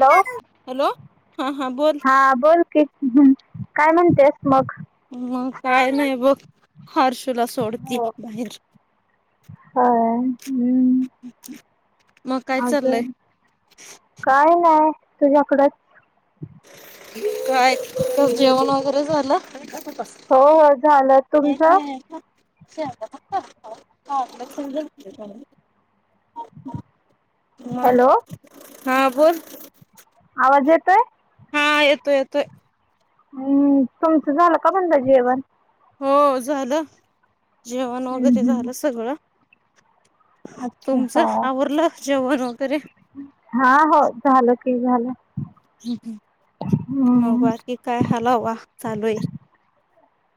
Hello hello हा हा बोल हां बोल की हम् काय म्हणतेस मग ह काय नाही बघ हर्षूला सोडती बाहेर हा हम्म मग काय चाललंय अजून काय नाही तुझ्याकडच काय तर जेवण वगैरे झालं स हो हो झालं एक तुमचं नाही फक् ह म हॅलो हा बोोल आवाज येतोय हा येतोय येतोय हम्म तुमचं झालं का बंद जेवण हो झालं जेवण हम्म वगैरे हम्म झालं सगळं अच्छा तुमचं हा आवरलं जेवण वगैरे हा हो झालं ते झालं ् मग हम्म बाकी काय हलाववा चालू आहे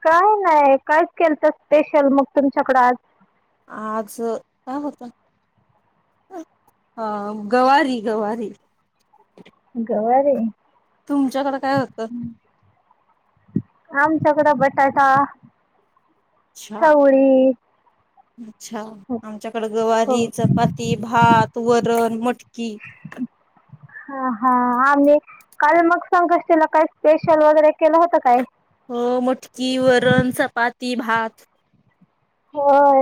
काय नाही कायच केल तर स्पेशल मग तुमच्याकडडे आ आज काय होतं हा गवारी गवारी गवारे तुमच्याकडें काय होत आमच्याकड बटाटा अच्छा चवळी अच्छा आमच्याकडे हो गवारी चपाती भात वरणट की हा हा आमही काल मग संांगष्टला काय स्पेशल वैरे हो मटकी वरण चपाती भात होय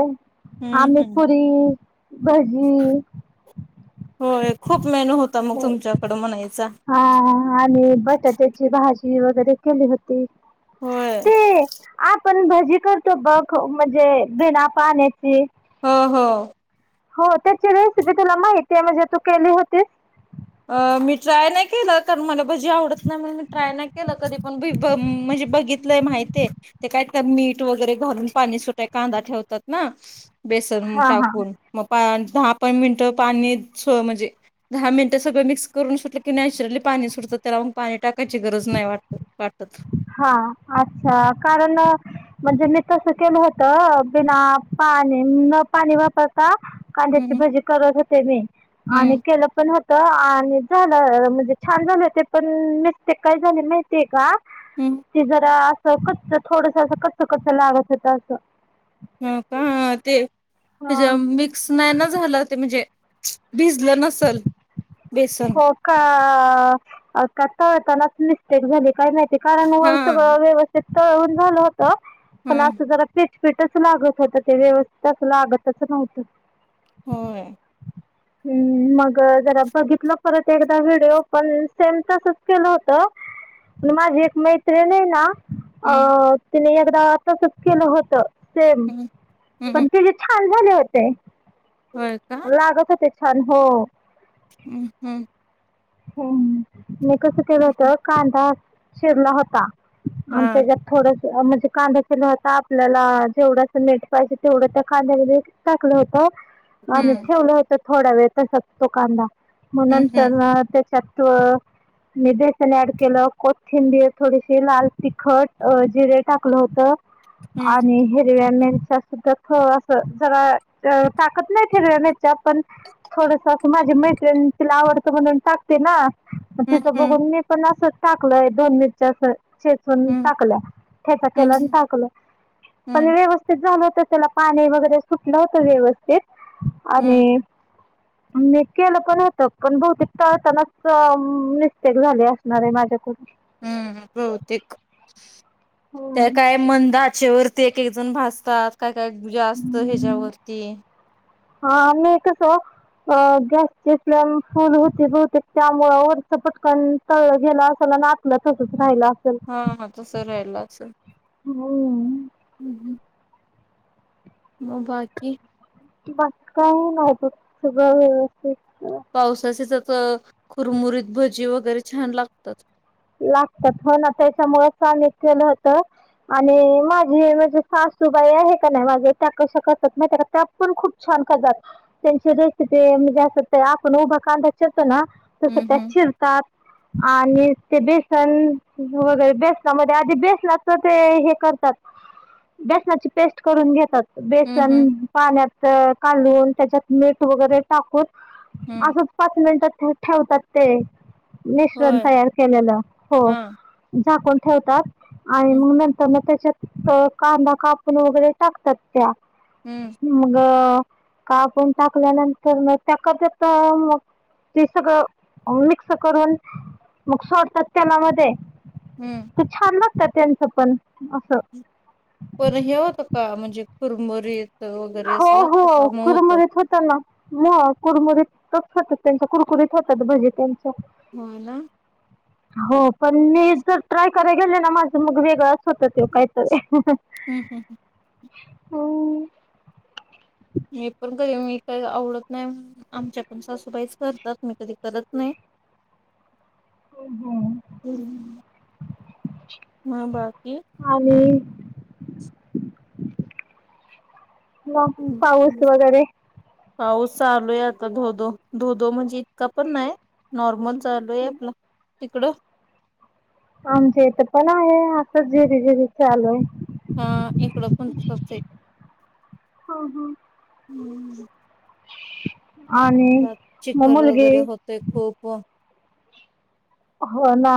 हम्म हम्म आमपुरी भजी होय खूप मेनू होता मग तुमच्याकडं म्हणायचा हा आणि बटाट्याची भाजी वगैरे केली होती होय ते आपण भजी करतो बघ म्हणजे बिना पाण्याची हा हा हो त्याची रेसिपी तुला माहिती आहे म्हणजे तू केली होतीस अ मी ट्राय नाही केलं कारण मला भजी आवडत नाही म्हण मी ट्राय नाही केलं कधी पण बित मा काय मी वगैरे घालून पाणी सु कांदा ठेवतात बेसन हा हा टाकून मग दहा प मिनटं पाणी म्हणजे दहा मिनट ते सगळं मिक्स करून सुटलं की नॅचरली पाणी सुटतं त्यालाग पाणी टाकायची गरज नाही वाटत वाटत हा अच्छा कारण म्हणजे मी तस केलं होत बिना पा न पाणी वापरता कांद्याची हम्म भजी करत होते मी आणि हम्म केलं पण हो आणि झालं म्हणजे छान झालं ते पण मस्ते काही झाले माहितीय का हम्म ते जरा असं कच्च थोडस अस कच्च कच्च लागत होत असं हो का ते त्या हां मिक्स नाही ना झालं ते म्हणजे भिजलं नसल बेसन हो का आताताताना मिस्टेक झाली काही नाही कारण व हा सगळ व्यवस्थित तळून झालं होत हा पण असं जरा प हपीटच लागत होत ते व्यवस्थित लागतच नव्हतं हो हम्म मग जरा बघितलं परत एकदा व्हिडिओ पण सेम तसच केलं होत माझी एक मैत्रिणी ना हम्म अ तिने एकदा तसच केलं होत ते हम्म हम्म पण त जे छान झाले होते होय का? लागत हो ते छान हो हम् हम्म ह् म कस केलं हं होत कांदा ची रला होता हा आणि त्याच्यात थोड म्हणजे कांदा ल होता आपल्याला जेवढा नेट पाहिजे तेवढं त्या कांद्यामध्ये टाकलं होतं आणि हं हं ठेवलं होत थोडा वेळ तस असतो कांदा मग हं नंतर हं तू मी बेसन ऍड केलं कोथिंबीर थोडीशी लाल तिखट जिरे टाकलं होत हं आणि हिरव्य जरा टाकत नाही त्यात केलेल्या थोडासा ज्त तिला आवडतं म्हणून टाकते ना हं तिथं हं बघून मी पण असं टाकलय दोन मिरच्या अस चेचून हं टाकल्या ठेचा हं केला आणि टाकलं पण हं व्यवस्थित झालं तर त्याला पाणी वगैरे सुटलं होत व्यवस्थित आणि हं मी केलं पण होतं पण बहुते त मिस्टेक झाले असणारे माझ्या कु हम्म बौतेक हो त्या काय मंदाचेवर ते एक एक जण भासतात काय काय जास्त ह्याच्यावरती हा मी कस अ गॅसचे स्लम फुल होते बहुतेक त्यामुळ वरचं पटकन तळलं गेलं अस नाचलं तसच राहियला हा हा तस राहिलाच ह हम्म बाकी मग काही नाहीत सगंळ व्यवस्थित पावसाचेच कुरमुरीत भजी वगैरे छान लागतात लागतात पण त्याच्यामुळे सांगितलेलं होत आणि माझी म्हणजे सास बाई आहे का नाही माझ त्या त्यापण खूप छान खात त्यांची रेसपी णजे आपण उभा कांदािरतो ना तस हं हं त्यात चिरतात आणि ते बेसन वगैरे बेसनामध्ये आधी बेसनाच ते हे करतात बेसणाची पेस्ट करून घेतात हं बेसन हं पाण्यात काढून त्याच्यात मीठ वगैरे टाकून हं असंच पाच मिनिटात ठेवतात ते मिश्रण होय तयार केलेला हो हा झाकून ठेवतात आणि हं नंतरण ते त्यात कांदा कापून वगैरे टाकतात त्या हं मग कापून टाकल्यानंतर मग त्या क मग ते सगळं मिक्स करून मग सोडतात त्यालामध्ये हं त छान ला सत्यानचं पण असं कुरबरीत हो हो कुरमुरत होत ना ना कुरमुुरीतच होतात त्यांच्या कुरकुरीत होतात भजी त्यांच होला हो पण मी तर ट्राय कराय गेलले ना माझं मग वेगळं होत ते कायतर हम्म हम्म हम्म. हे पण कधी मी काही आवडत नाही आमच्याकून सासूबाईच करतात मी कधी करत नाही ह हम्म. मग बाकी हम आणि म पाऊस वगैरे अह चालू आहे आता धोधो धोधो म्हणजे इतका पण नाही नॉर्मल चालू आहे आपलं तिकडं आमच्या इथ पण आहे आ झेरी झेरी चालू आहे हा इकडं कोणचते आहे हम्म [unintelligible] आणि ब मग चखल मुलगी वगैरे होतेय खूप हो ना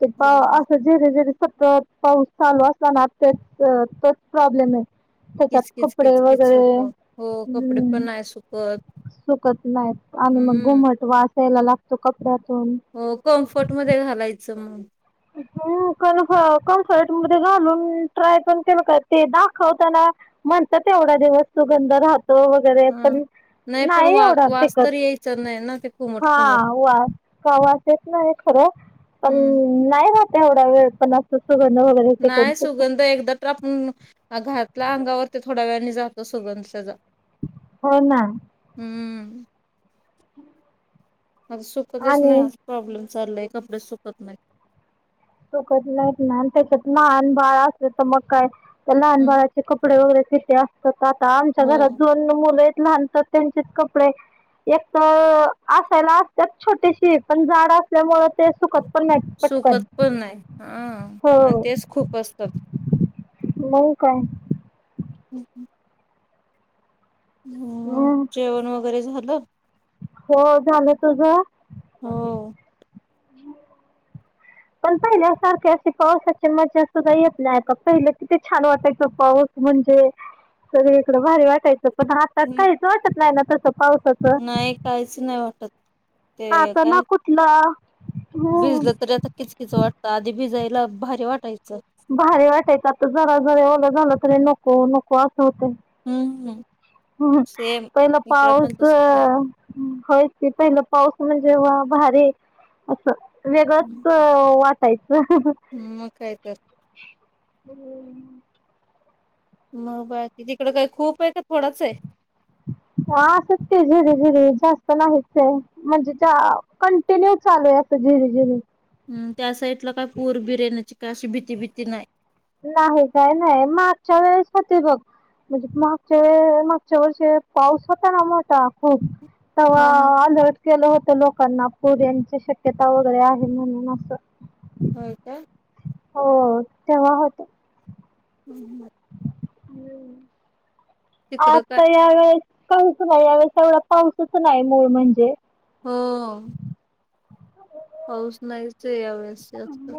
ते प असं जेर जेरी फतत पाऊस चालू असला ना ते तरच प्रॉब्लेम आहे त्याच्यात किचकिच कपडे किचकीच वगैरे होत हो कपडे हम्म पण आहे सुकत सुकत नाहीत आणि मग हम्म घुमट वा असयला लागतो कपड्यात हो कम्फर्ट मध्ये घालायचं मग ह् कन्फ कम्फर्ट मध्ये घालून ट्राय पण केलं का ते दाखवताना म्हणतात तेवढ्या जे वस्तू गंध राहतो वगैरे हा पण पण नाही वा एवढणार वास तर तेिकत यायचा नाही ना ते कोमट हा कोमट वास वासच नाही खरं पण हम्म नाही राहत एवढा वेळ पण असं सुगंध वगैरे टिकून नाही सुगंध एकदा तर आपण घरातल्या अंगावर ते थोड्या वेळाने जातो सगंध त्याचा हो ना हम्म आता सुकतच नाही आ आणि प्रॉब्लेम चाललाय कपडे सुकत नाही तोकच नाहीत नाही त्याच्यात लहान बाळ असलं तर मग काय लहान हम्म बाणाचे कपडे वगैरे किे असतात आता आमच्या घरात हो दोन मुलं आहेत लानतात त्यांचेच कपडे एक तर असायला असत छोटीशी पण झाड असल्यामुळे ते सुखद पण मॅ पटकन सुकत पण नाही ह हो आणि तेच खूप असतात ह हम् हम् ह हम्म. जेवण वगैरे झालं हो झालं तुझ हो हम् पण पहिल्यासारखे असे पावसा चममचस् असत जाई आपल्या आई पहिलं किथ छान वाटाय तो पाऊस म्हणजे सगळी इकडं भारी वाटायचं पण आता काहीच वाटत नाही ना तस पावसाच नाही काहीच नाही वाटत ते हाता ना काय कुठलं भिजलं तरी आता किचकीच वाटतं आधी भिजायला भारी वाटायचं भारी वाटायच आता जरा जरी ओलं झालं तरी नको नको असं होते हम्म हम ह् पहिला पाऊस पण तसच आहे. होय क पहिला पाऊस म्हणजेव्हा भारी असं वेगळंच वाटायचं हम् मग काय तर हम् मग बाकी तिकड काय खूप आहे का थोडाच आहे? हा सत्य झरे झरे जास्त नाहीच आहे म्हणजे कंटिन्यू चालू आहे अस झिरी झिरी हम त्या साइडला काय पूर बिर येण्याची काय अशी भीती भीती नाही नाही काय नाही मागच्या वेळेस होते बघ म्हणजे मागच्या वे मागच्या वर्ष पाऊस होता ना मोठा खूप त हा हा आधट केेला होत लोक नापूर यांची शक्यता वगैरे आहे म्हणून असं हो का हो तेव्हा हो हम् हम हम्म तिकडं काय आता यावेेळेस काहीच नाही यावेेळेस एवढा पाऊसच नाही मूळ म्हणजे होां पाऊस नाही ते अवस असत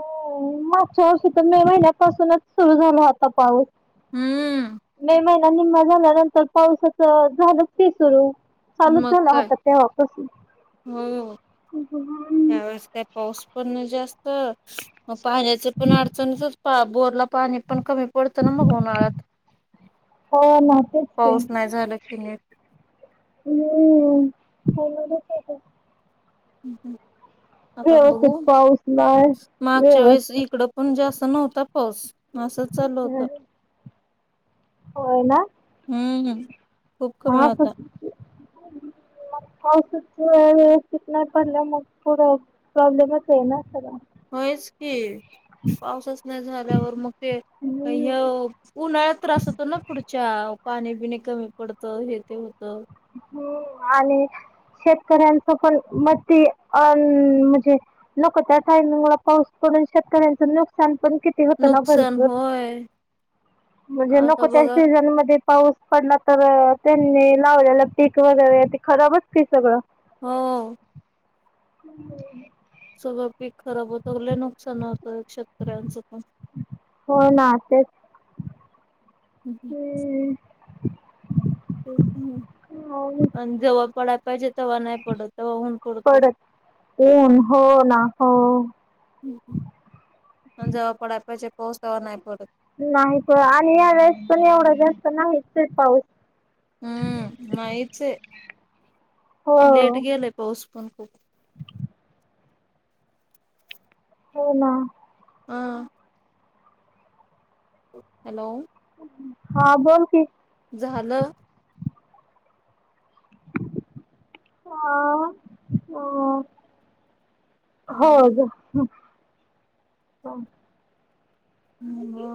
चशी तर मे महिन्यापासूनच सुरू झाल आता पाऊस हम्म मे महि्या निम्मा झाल्यानंतर पावसाचं झाडत ते सुरू चालू च मग झालं काय आता ते वापस. या वेळेस काय पाऊस पण नाय जास्त. पाण्याच पण अडचणचच बोरला पाणी पण कमी पडतं ना मग उन्हाळ्यात. हो ना तेच कीं. पाऊस नाही झाला की नीट हं. [unintelligible] आता बघू व्यवस्थित पाऊसलाय मागच्या वेळेस व्यवस्थित इकड पण जास्त नव्हता पाऊस असं चालू ह होत. होय ना हम्म हम् खूप कमी होता. रिकामा ऑडिओ पाऊसच व्यवस्थित नाही पडलं मग पुढं प्रॉब्लेमच आहे ना. सगळा होयच की पावसच नाही झाल्यावर मग ते.. हम्म ह उन्हाळ्यात त्रास होतो ना पुढच्या.. पाणी बिनी कमी पडतं हे ते होत. हो आले. शेतकऱ्यांच पण म अ म्हणजे नको त्या टाइमला पाऊस प शेतकऱ्यांच नुकसान पण किती होतं ना नुकसान भरपूर. होय म्हणजे आता नको त्या बघा सीझन मध्ये पाऊस पडला तर... त्यांनी लावलेला पीक वगैरे ते खराबचते सगळं. हो. रिकामा ऑडिओ स्वाभाविक. खराब होतो लय नुकसान होतं एक शेतकऱ्यांचं पण.. हो ना तेच अहं. रिकामा ऑडिओ तेच न आनी जवा पडाय पायजे. तेव्हा नाही पडत तेव्हा ऊन पडतो. पडत ऊन हो ना हो. हं आनी जवा पडाय पायजे पाऊस तवा नाय पडत. नाही प आणि या वेळेस पण एवढं जास्त नाही ते पाऊस. हम्म नाहीच ये. हो लेट गेलाय पाऊस पण खूप. हो ना. आ. हॅलो. हा बोल कीं. झालं. हा ह ह. हो. रिकामा ऑडिओ